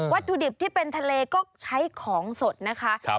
ถุดิบที่เป็นทะเลก็ใช้ของสดนะคะ